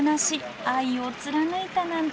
愛を貫いたなんて。